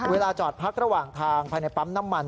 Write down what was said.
เวลาจอดพักระหว่างทางภายในปั๊มน้ำมัน